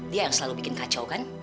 dia yang selalu bikin kacau kan